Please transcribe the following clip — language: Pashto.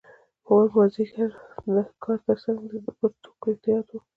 هره مازدیګر د کار ترڅنګ د ده پر ټوکو اعتیاد و.